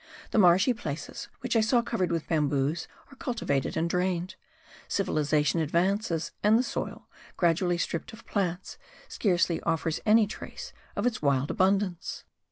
The marshy places which I saw covered with bamboos are cultivated and drained. Civilization advances; and the soil, gradually stripped of plants, scarcely offers any trace of its wild abundance.